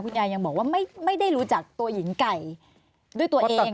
ยายยังบอกว่าไม่ได้รู้จักตัวหญิงไก่ด้วยตัวเอง